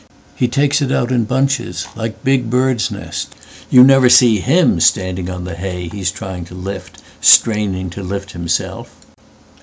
He takes it out in bunches like big birds' nests. You never see him standing on the hayHe's trying to lift, straining to lift himself."